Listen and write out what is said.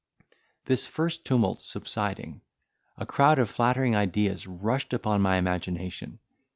This first tumult subsiding, a crowd of flattering ideas rushed upon my imagination.